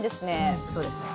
うんそうですね。